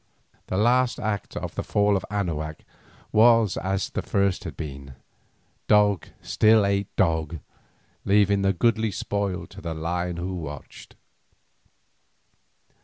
The last act of the fall of Anahuac was as the first had been, dog still ate dog, leaving the goodly spoil to the lion who watched.